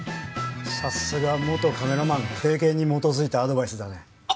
さすが元カメラマン経験に基づいたアドバイスだねあっ